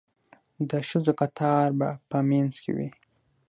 د ښځو کتار به په منځ کې وي.